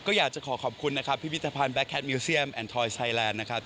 ก็อยากจะขอขอบคุณนะครับพิพิธภัณฑ์แก๊แคทมิวเซียมแอนทอยไทยแลนด์นะครับ